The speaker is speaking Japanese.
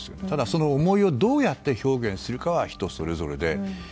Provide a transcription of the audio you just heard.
ただその思いをどうやって表現するかは人それぞれで。